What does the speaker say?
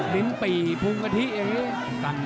ลิ้นปี่พุงกะทิอย่างนี้